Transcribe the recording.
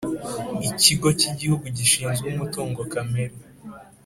Ikigo cy’Igihugu gishinzwe Umutungo Kamere